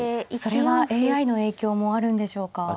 それはＡＩの影響もあるんでしょうか。